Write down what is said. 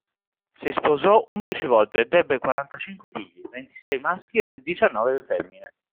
Si sposò undici volte ed ebbe quarantacinque figli, ventisei maschi e diciannove femmine.